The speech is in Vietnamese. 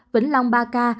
vĩnh long ba ca